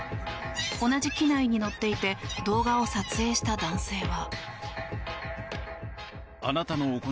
同じ機内に乗っていて動画を撮影した男性は。